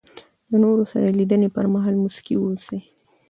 د نور سره د لیدني پر مهال مسکی واوسئ.